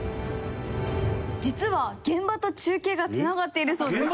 実は現場と中継がつながっているそうです。